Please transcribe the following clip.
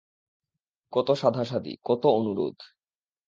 কত সাধাসাধি, কত অনুরোধ!